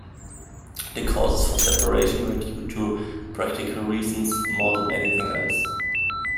The causes for separation were due to practical reasons more than anything else.